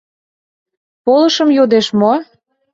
— Полышым йодеш мо?»